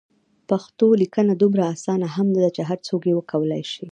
پښتو لیکنه دومره اسانه هم نده چې هر څوک یې وکولای شي.